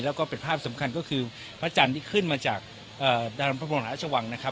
แล้วก็เป็นภาพสำคัญก็คือพระอาจารย์ที่ขึ้นมาจากเอ่อดรพระมงษ์อาชวังนะครับ